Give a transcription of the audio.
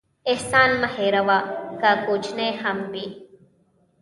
احسان مه هېروه، که کوچنی هم وي.